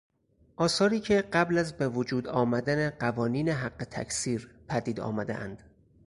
آثاری که قبل از بهوجود آمدن قوانین حق تکثیر پدید آمدهاند